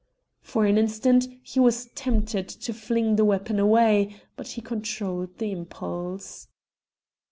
For an instant he was tempted to fling the weapon away, but he controlled the impulse.